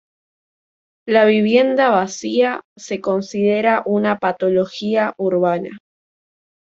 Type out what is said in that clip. La vivienda vacía se considera una patología urbana.